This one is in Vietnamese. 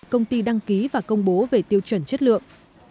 công ty đăng ký và công bố về tiêu chuẩn chất lượng